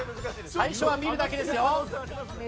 最初は見るだけですよ。